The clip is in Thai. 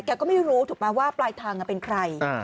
ก็ไม่รู้ถูกไหมว่าปลายทางเป็นใคร